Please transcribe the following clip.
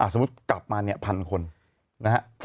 สมมุติกลับมาเนี่ยพันคนนะฮะ